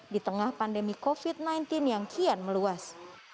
di tengah pandemi covid sembilan belas yang kian meluas